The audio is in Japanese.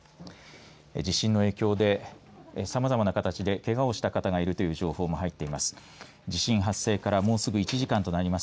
地震の影響でさまざまな形で、けがをした方がいるという情報も入っています。